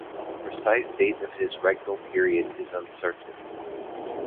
The precise date of his regnal period is uncertain.